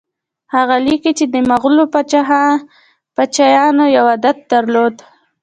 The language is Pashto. هغه لیکي چې د مغولو پاچایانو یو عادت درلود.